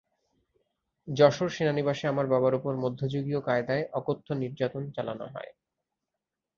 যশোর সেনানিবাসে আমার বাবার ওপর মধ্যযুগীয় কায়দায় অকথ্য নির্যাতন চালানো হয়।